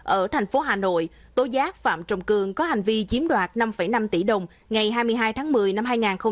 ở thành phố hà nội tối giác phạm trọng cường có hành vi chiếm đoạt năm năm tỷ đồng ngày hai mươi hai tháng một mươi năm hai nghìn hai mươi